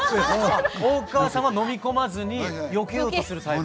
大川さんは飲み込まずによけようとするタイプ？